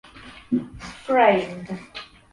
Framed.